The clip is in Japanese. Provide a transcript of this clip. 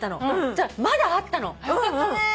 したらまだあったの。